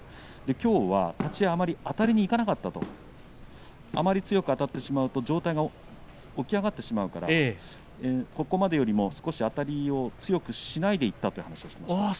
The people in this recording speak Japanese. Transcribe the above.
きょうは立ち合いあまりあたりにいかなかったとあまり強くあたってしまうと上体が起き上がってしまうからここまでよりも少しあたりを強くしないでいったという話をしてました。